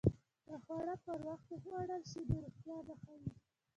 که خواړه پر وخت وخوړل شي، نو روغتیا به ښه وي.